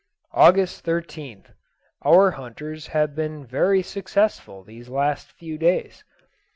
August 13th. Our hunters have been very successful these last few days.